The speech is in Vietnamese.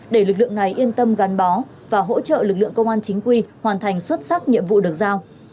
để lực lượng này yên tâm gắn bó và hỗ trợ lực lượng công an chính quy hoàn thành xuất sắc nhiệm vụ được giao